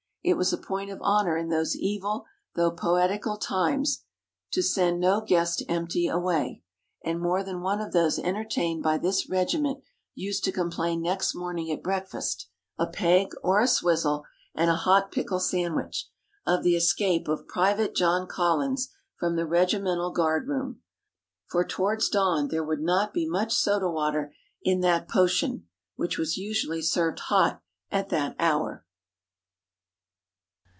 It was a point of honour in those evil, though poetical, times, to send no guest empty away, and more than one of those entertained by this regiment used to complain next morning at breakfast a peg, or a swizzle, and a hot pickle sandwich of the escape of "Private John Collins" from the regimental guard room. For towards dawn there would not be much soda water in that potion which was usually served hot at that hour.